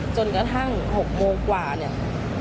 จนกระทั่ง๖โมงกว่าเนี่ย